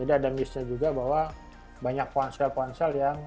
jadi ada missnya juga bahwa banyak ponsel ponsel yang